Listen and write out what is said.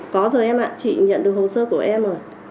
có rồi em ạ chị nhận được hồ sơ của em rồi